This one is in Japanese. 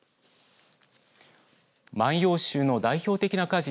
万葉集の代表的な歌人